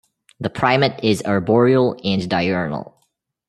The primate is arboreal and diurnal.